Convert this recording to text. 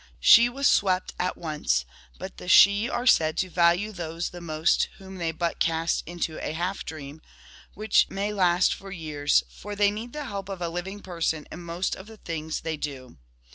She was ' swept ' at once ; but the Sidhe are said to value those the most whom they but cast into a half dream, which may last for years, for they need the help of a living person in most of the things they do.